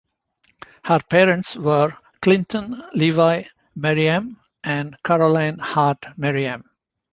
Her parents were Clinton Levi Merriam and Caroline Hart Merriam.